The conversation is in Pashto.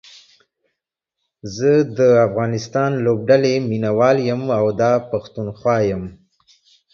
زه دا افغانستان لوبډلې ميناوال يم او دا پښتونخوا يم